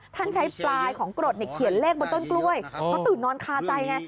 ท่านใช้ปลายของกรดเนี่ยเขียนเลขบนต้นกล้วยเพราะตื่นนอนคาใจไง